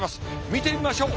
見てみましょう。